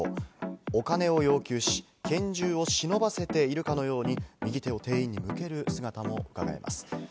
お金を要求し、拳銃を忍ばせているかのように右手を店員に向ける姿も伺えます。